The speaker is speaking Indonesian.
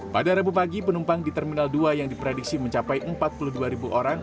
pada rabu pagi penumpang di terminal dua yang diprediksi mencapai empat puluh dua orang